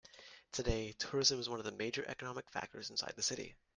Today, tourism is one of the major economic factors inside the city.